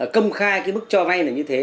câm khai bức cho vay là như thế